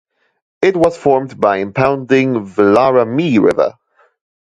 It was formed by impounding the Laramie River.